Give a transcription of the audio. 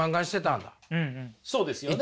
そうですよね。